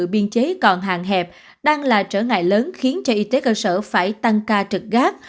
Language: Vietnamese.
biên chế còn hàng hẹp đang là trở ngại lớn khiến cho y tế cơ sở phải tăng ca trực gác